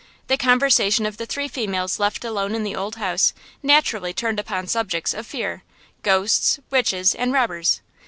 The conversation of the three females left alone in the old house naturally turned upon subjects of fear–ghosts, witches and robbers.